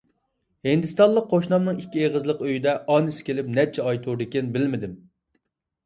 ھىندىستانلىق قوشنامنىڭ ئىككى ئېغىزلىق ئۆيىدە ئانىسى كېلىپ نەچچە ئاي تۇردىكىن، بىلمىدىم.